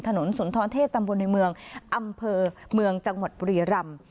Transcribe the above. ถนนศูนย์ท้อนเทศตำวนในเมืองอำเภอเมืองจังหวัดปรีรำ